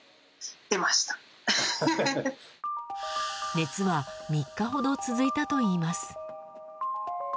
熱は３日ほど続いたといいます。